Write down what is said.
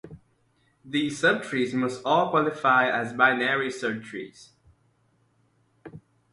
These subtrees must all qualify as binary search trees.